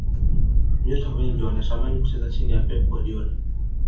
nyota wengi wanatamani kucheza chini ya pep guardiola